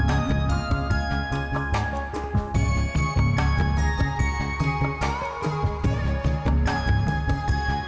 harus berter syrian berhenti aktif